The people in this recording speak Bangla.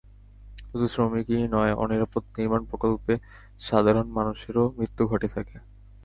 শুধু শ্রমিকই নয়, অনিরাপদ নির্মাণ প্রকল্পে সাধারণ মানুষেরও মৃত্যু ঘটে থাকে।